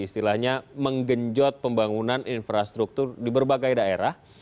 istilahnya menggenjot pembangunan infrastruktur di berbagai daerah